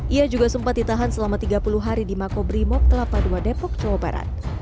ia juga sempat ditahan selama tiga puluh hari di makobrimok telapadua depok jawa barat